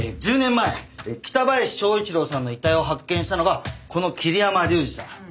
１０年前北林昭一郎さんの遺体を発見したのがこの桐山竜二さん。